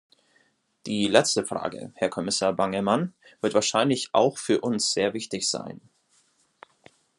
Die letzte Frage, Herr Kommissar Bangemann, wird wahrscheinlich auch für uns sehr wichtig sein.